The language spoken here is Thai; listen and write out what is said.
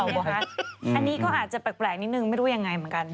อันนี้ก็อาจจะแปลกนิดนึงไม่รู้ยังไงเหมือนกัน